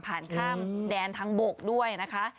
ข้ามแดนทางบกด้วยนะคะ